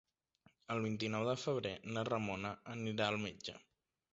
El vint-i-nou de febrer na Ramona anirà al metge.